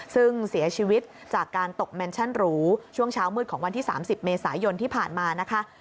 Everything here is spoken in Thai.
ซึ่งเสียชีวิตจากการตกแมนชั่นหรูช่วงเช้ามืดของวันที่๓๐เมษายนที่ผ่านมานะคะ